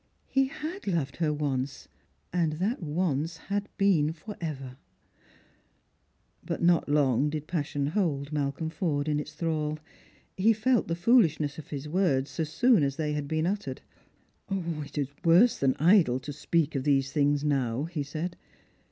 He had loved her once — and that once had been for ever ! But not long did passion hold Malcolm Forde in its thrall. He felt the foolishness of his words so soon as they had been uttered. " It is worse than idle to speak of these things now," he said.